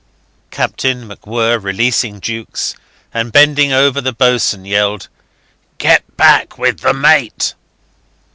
..." Captain MacWhirr released Jukes, and bending over the boatswain, yelled, "Get back with the mate."